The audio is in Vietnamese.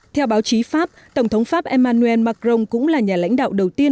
theo báo chí pháp tổng thống pháp emmanuel macron cũng là nhà lãnh đạo đầu tiên